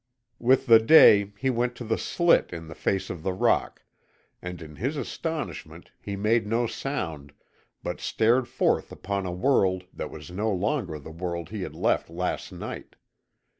With the day he went to the slit in the face of the rock, and in his astonishment he made no sound, but stared forth upon a world that was no longer the world he had left last night.